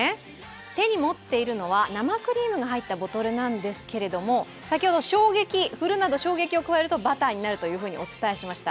手に持っているのは生クリームが入ってるボトルなんですけれども先ほど振るなど衝撃を加えるとバターになるとお伝えしました。